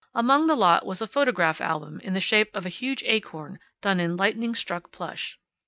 Among the lot was a photograph album in the shape of a huge acorn done in lightning struck plush.